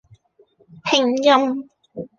拼音